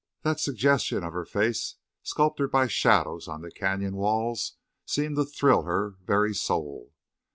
That suggestion of her face sculptured by shadows on the canyon walls seemed to thrill her very soul.